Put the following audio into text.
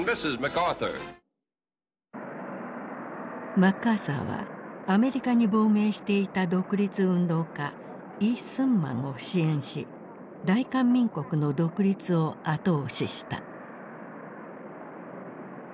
マッカーサーはアメリカに亡命していた独立運動家李承晩を支援し大韓民国の独立を後押しした。